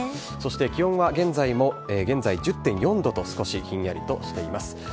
そして気温は、現在１０．４度と少しひんやりとしています。